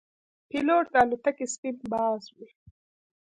پیلوټ د الوتکې سپین باز وي.